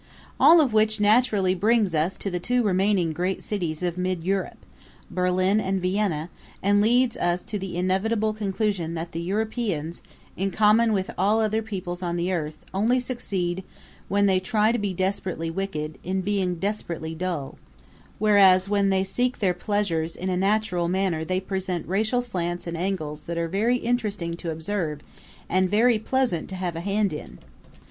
All of which naturally brings us to the two remaining great cities of Mid Europe Berlin and Vienna and leads us to the inevitable conclusion that the Europeans, in common with all other peoples on the earth, only succeed when they try to be desperately wicked in being desperately dull; whereas when they seek their pleasures in a natural manner they present racial slants and angles that are very interesting to observe and very pleasant to have a hand in.